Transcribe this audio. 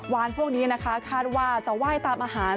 วานพวกนี้คาดว่าจะไหว้ตามอาหาร